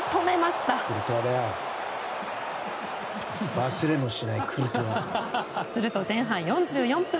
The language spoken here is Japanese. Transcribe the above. すると前半４４分。